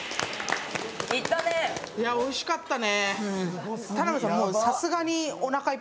おいしかったね。